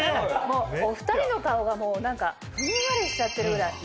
もうお２人の顔が何かふんわりしちゃってるぐらい。